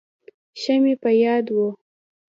ښه مې په یاد و.